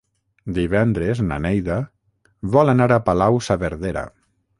Divendres na Neida vol anar a Palau-saverdera.